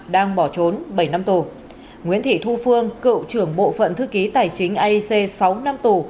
đang bỏ trốn bảy năm tù nguyễn thị thu phương cựu trưởng bộ phận thư ký tài chính aic sáu năm tù